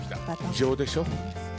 異常でしょ？